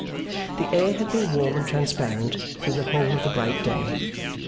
The air had been warm and transparent through the whole of the bright day.